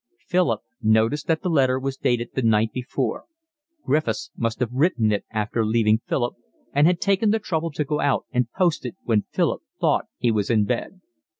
Philip noticed that the letter was dated the night before; Griffiths must have written it after leaving Philip, and had taken the trouble to go out and post it when Philip thought he was in bed.